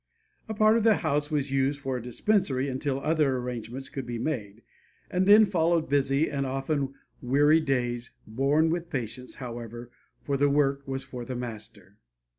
A part of the house was used for a dispensary until other arrangements could be made, and then followed busy and often weary days, borne with patience, however, for the work was for the Master.